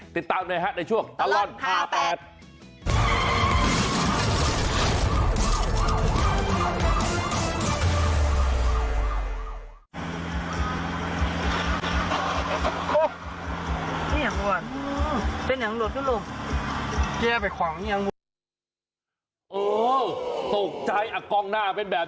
ติดตามนะฮะในช่วงตลอดภาพแปด